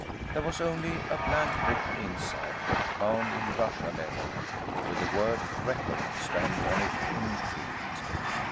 There was only a blank book inside, bound in Russia leather, with the word "Record" stamped on it in gilt.